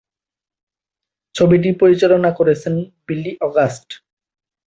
ছবিটি পরিচালনা করেছেন বিলি অগাস্ট।